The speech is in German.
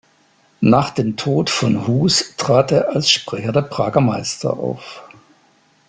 Nach dem Tod von Hus trat er als Sprecher der Prager Meister auf.